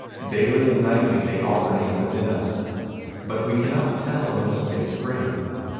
Daily and nightly they alternate within us, but we cannot tell whence they spring.